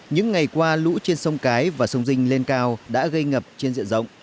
những ngày qua lũ trên sông cái và sông dinh lên cao đã gây ngập trên diện rộng